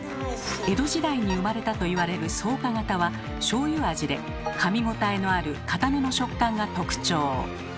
江戸時代に生まれたと言われる草加型はしょうゆ味でかみ応えのあるかための食感が特徴。